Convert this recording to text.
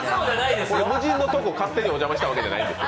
無人のところ勝手にお邪魔してるわけじゃないんですよ。